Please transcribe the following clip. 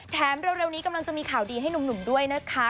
เร็วนี้กำลังจะมีข่าวดีให้หนุ่มด้วยนะคะ